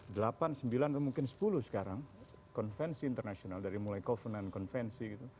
delapan sembilan atau mungkin sepuluh sekarang konvensi internasional dari mulai kovenant konvensi gitu